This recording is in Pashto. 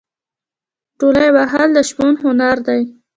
تولې وهل د شپون هنر دی.